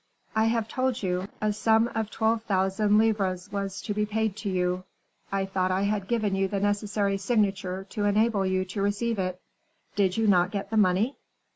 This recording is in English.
"I have told you a sum of twelve thousand livres was to be paid to you. I thought I had given you the necessary signature to enable you to receive it. Did you not get the money?"